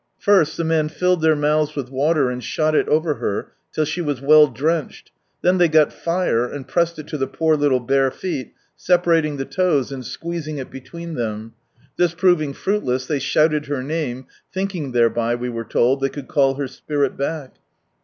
First, the men filled their mouths with water and shot It over her, till she was well drenched, then they got tire, and pressed it to the poor little bare feet, separating the toes, and squeezing it between them : this proving fruitless they shouted her name, thinking thereby, we were told, they could call her spirit back.